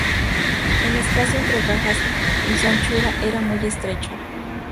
El espacio entre cajas y su anchura era muy estrecho.